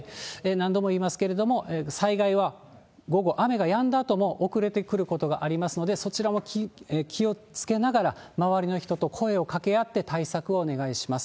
何度も言いますけれども、災害は午後、雨がやんだあとも遅れて来ることがありますので、そちらも気をつけながら、周りの人と声をかけ合って対策をお願いします。